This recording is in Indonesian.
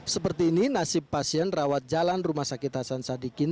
seperti ini nasib pasien rawat jalan rumah sakit hasan sadikin